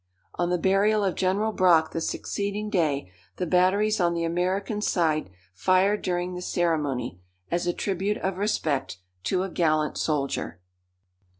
On the burial of General Brock the succeeding day, the batteries on the American side fired during the ceremony, as a tribute of respect to a gallant soldier.